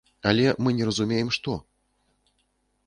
Але мы не разумеем, што.